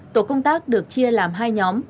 tổ công tác được chia làm hai nhóm